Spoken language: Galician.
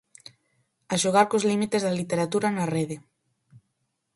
A xogar cos límites da literatura na rede.